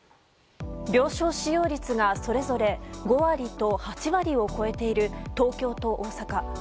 病床使用率がそれぞれ５割と８割を超えている東京と大阪。